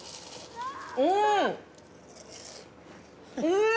うん。